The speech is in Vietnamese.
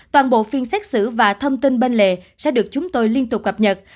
toàn bộ phiên xét xử và thông tin bên lề sẽ được chúng tôi liên tục cập nhật